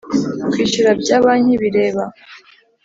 kwishyura bya banki bireba